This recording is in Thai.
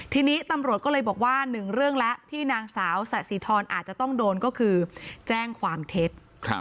ทีนี้ตำรวจก็เลยบอกว่าหนึ่งเรื่องแล้วที่นางสาวสะสีทรอาจจะต้องโดนก็คือแจ้งความเท็จ